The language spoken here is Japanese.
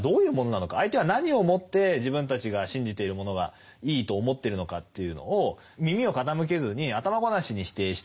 相手は何をもって自分たちが信じているものがいいと思ってるのかというのを耳を傾けずに頭ごなしに否定していく。